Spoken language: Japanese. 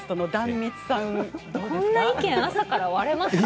こんなに意見朝から割れますか？